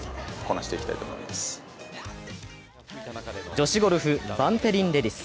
女子ゴルフバンテリンレディス。